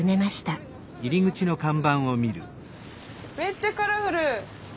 めっちゃカラフル。